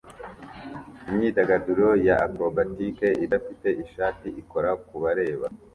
Imyidagaduro ya Acrobatic idafite ishati ikora kubareba